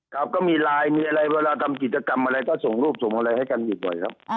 ครับก็มีไลน์มีอะไรเวลาทำกิจกรรมอะไรก็ส่งรูปส่งอะไรให้กันอยู่บ่อยครับ